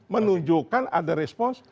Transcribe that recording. menunjukkan ada respon